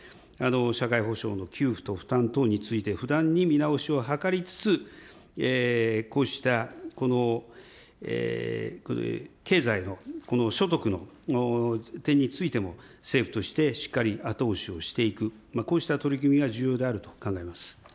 社会保障の給付と負担等について、不断に見直しを図りつつ、こうした経済の、所得の点についても、政府としてしっかり後押しをしていく、こうした取り組みが重要であると考えます。